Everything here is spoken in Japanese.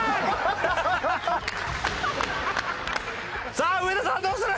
さあ上田さんどうする？